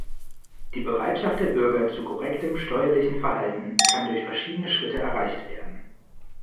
Die Bereitschaft der Bürger zu korrektem steuerlichen Verhalten kann durch verschiedene Schritte erreicht werden.